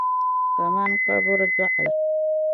kaman kabur’ dɔɣu la.